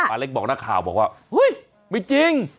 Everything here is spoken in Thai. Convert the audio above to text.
ป้าเล็กบอกหน้าข่าวบอกว่าหุ้ยไม่จริง